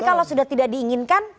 kalau sudah tidak diinginkan